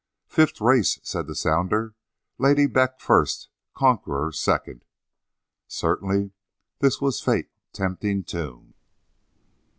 "Fifth race," said the sounder: "Lady Beck, first; Conqueror, second " Certainly this was fate tempting tune.